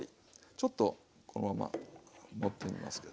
ちょっとこのまま盛ってみますけど。